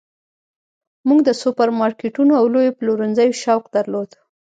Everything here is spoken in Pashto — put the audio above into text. موږ د سوپرمارکیټونو او لویو پلورنځیو شوق درلود